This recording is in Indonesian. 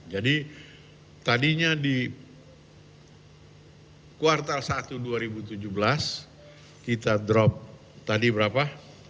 jadi tadinya di kuartal satu dua ribu tujuh belas kita drop tadi berapa